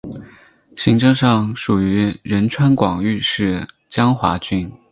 行政上属于仁川广域市江华郡。